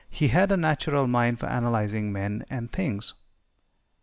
He had a natural mind for analyzing men and things.